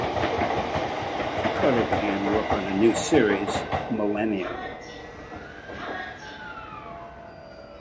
Carter began work on a new series, "Millennium".